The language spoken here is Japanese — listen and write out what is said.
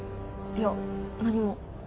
いや何も。